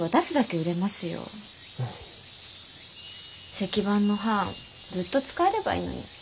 石版の版ずっと使えればいいのに。